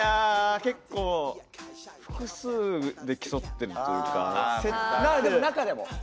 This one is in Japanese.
結構複数で競ってるというか。